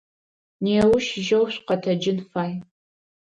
Неущ жьэу шъукъэтэджын фай.